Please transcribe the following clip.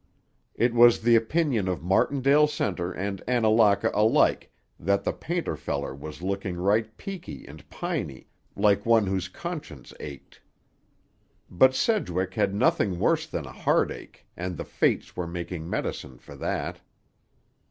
It was the opinion of Martindale Center and Annalaka alike that the "painter feller" was looking right peaky and piny, like one whose conscience ached. But Sedgwick had nothing worse than a heartache, and the fates were making medicine for that.